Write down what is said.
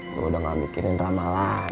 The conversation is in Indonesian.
kalau udah gak mikirin ramalan